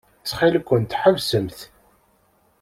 Ttxil-kent, ḥebsemt.